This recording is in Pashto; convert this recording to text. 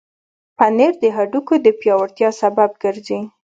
پنېر د هډوکو د پیاوړتیا سبب ګرځي.